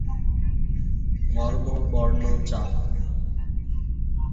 ধর্ম, বর্ণ, জাত!